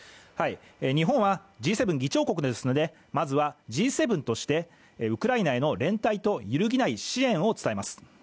日本はＧ７議長国ですのでまずはＧ７としてウクライナへの連帯と揺るぎない支援を伝えます。